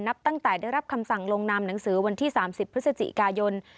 ตั้งแต่ได้รับคำสั่งลงนามหนังสือวันที่๓๐พฤศจิกายน